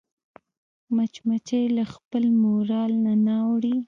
مچمچۍ له خپل مورال نه نه اوړي